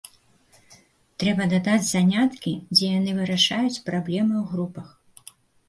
Трэба дадаць заняткі, дзе яны вырашаюць праблемы у групах.